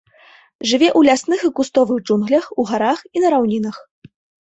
Жыве ў лясных і кустовых джунглях у гарах і на раўнінах.